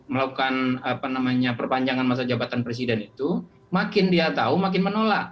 melakukan perpanjangan masa jabatan presiden itu makin dia tahu makin menolak